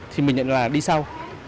thì mình nhận là đi sau